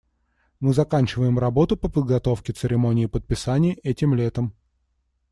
Мы заканчиваем работу по подготовке церемонии подписания этим летом.